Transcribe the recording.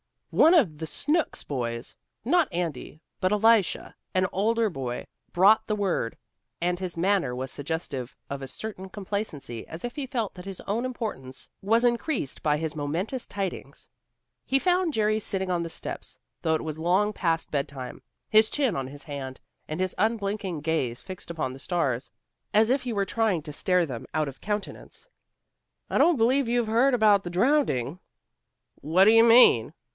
One of the Snooks boys, not Andy but Elisha, an older brother, brought the word, and his manner was suggestive of a certain complacency as if he felt that his own importance was increased by his momentous tidings. He found Jerry sitting on the steps, though it was long past bedtime, his chin on his hand, and his unblinking gaze fixed upon the stars, as if he were trying to stare them out of countenance. "I don't b'lieve you've heard about the drownding." "What d'ye mean?"